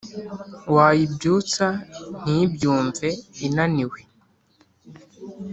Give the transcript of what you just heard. Wayibyutsa ntibyumve inaniwe